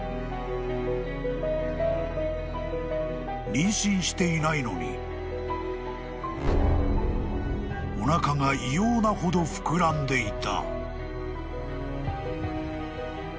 ［妊娠していないのにおなかが異様なほど膨らんでいた］